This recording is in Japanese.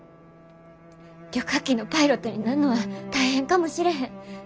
旅客機のパイロットになんのは大変かもしれへん。